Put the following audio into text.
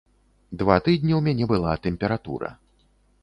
Два тыдні ў мяне была тэмпература.